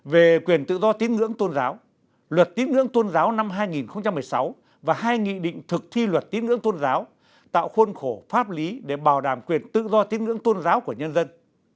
về quyền tự do tín ngưỡng tôn giáo luật tín ngưỡng tôn giáo năm hai nghìn một mươi sáu và hai nghị định thực thi luật tiếng ngưỡng tôn giáo tạo khuôn khổ pháp lý để bảo đảm quyền tự do tín ngưỡng tôn giáo của nhân dân